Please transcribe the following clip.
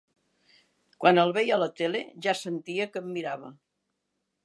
Quan el veia a la tele ja sentia que em mirava.